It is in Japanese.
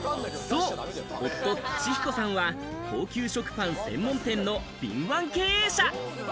夫・利彦さんは、高級食パン専門店の敏腕経営者。